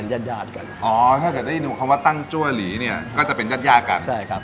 นอกนั้นก็จะเป็นยัดยาดกัน